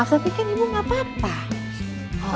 maaf tapi kan ibu gak apa apa